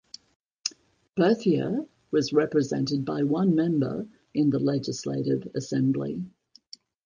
Berthier was represented by one member in the Legislative Assembly.